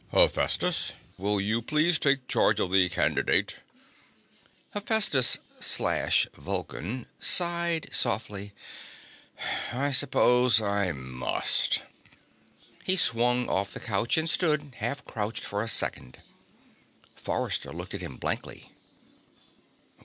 Hephaestus, will you please take charge of the candidate?" Hephaestus/Vulcan sighed softly. "I suppose I must." He swung off the couch and stood half crouched for a second. Forrester looked at him blankly.